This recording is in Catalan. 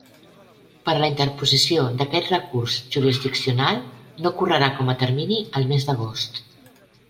Per a la interposició d'aquest recurs jurisdiccional no correrà com a termini el mes d'agost.